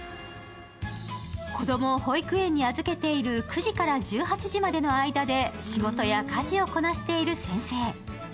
子供を保育園に預けている９時から１８時までの間で仕事や家事をこなしている先生。